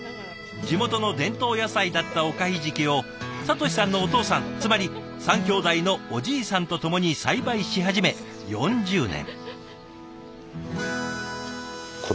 地元の伝統野菜だったおかひじきを敏さんのお父さんつまり３兄弟のおじいさんと共に栽培し始め４０年。